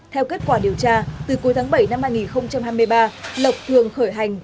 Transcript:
theo kết quả điều tra từ cuối tháng bảy năm hai nghìn hai mươi ba lộc thường khởi hành